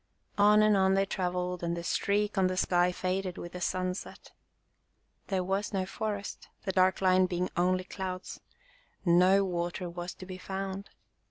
On and on they traveled and the streak on the sky faded with the sunset. There was no forest, the dark line being only clouds. No water was to be found.